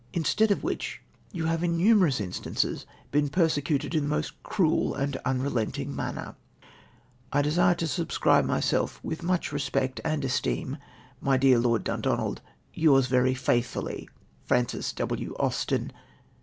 Instead of which, you have in numerous instances been persecuted in the most cruel and unrelenting manner. " I desire to subscril^e myself, with much respect and esteem, " My dear Ivord Dundonald, " Yours ver}^ faithfully, " Fraxcls W. Austen.